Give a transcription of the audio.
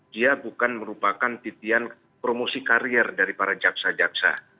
dia bukan merupakan titian promosi karier dari para jaksa jaksa